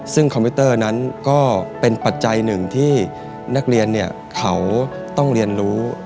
ซึ่งคอมพิวเตอร์นั้นก็เป็นปัจจัยหนึ่งที่นักเรียนเขาต้องเรียนรู้